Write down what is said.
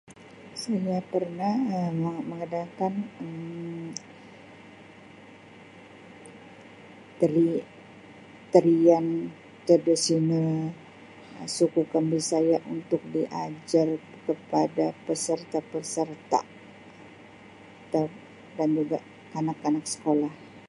Saya pernah Um menga-mengadakan Um tari-tarian tradisional suku kaum Bisaya untuk diajar kepada peserta peserta atau dan juga kanak-kanak skolah.